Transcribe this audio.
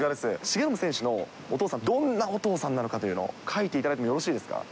重信選手のお父さん、どんなお父さんなのかというのを書いていただいてもよろしいですか。